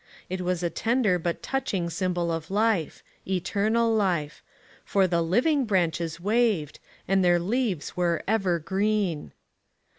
It was a tender but touching symbol of life — Eternal Life ; for the living branches waved, and their leaves were ever green